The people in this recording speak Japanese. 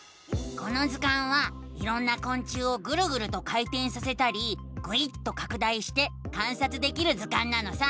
この図鑑はいろんなこん虫をぐるぐると回てんさせたりぐいっとかく大して観察できる図鑑なのさ！